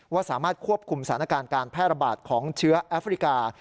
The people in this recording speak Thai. ว่าสามารถควบคุมสถานการณ์การแพร่ระบาดของเชื้อแอฟริกา